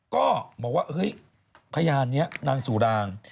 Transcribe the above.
ก็บอกว่าพญานนี้นางสูอราม